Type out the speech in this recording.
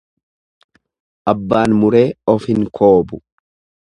Abbaan muree of hin koobu.